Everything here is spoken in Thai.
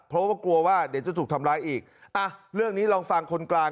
เพราะว่ากลัวว่าเดี๋ยวจะถูกทำร้ายอีกอ่ะเรื่องนี้ลองฟังคนกลาง